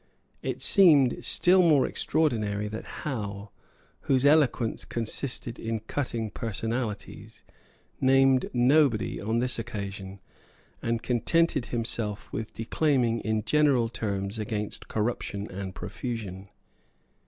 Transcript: It seemed still more extraordinary that Howe, whose whole eloquence consisted in cutting personalities, named nobody on this occasion, and contented himself with declaiming in general terms against corruption and profusion.